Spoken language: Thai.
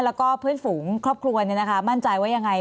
แล้วก็เพื่อนฝูงครอบครัวมั่นใจว่ายังไง